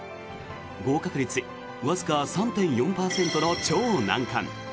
合格率わずか３．４％の超難関。